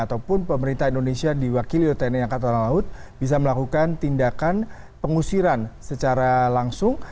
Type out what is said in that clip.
ataupun pemerintah indonesia diwakili oleh tni angkatan laut bisa melakukan tindakan pengusiran secara langsung